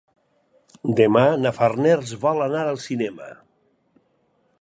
Demà na Farners vol anar al cinema.